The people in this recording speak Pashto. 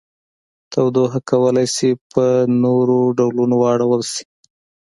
تودوخه کولی شي په نورو ډولونو واړول شي.